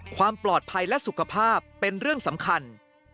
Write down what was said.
ความปลอดภัยและสุขภาพเป็นเรื่องสำคัญ